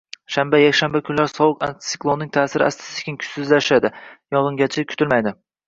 Shanba, yakshanba kunlari sovuq antisiklonning ta’siri asta-sekin kuchsizlashadi, yog‘ingarchilik kutilmaydi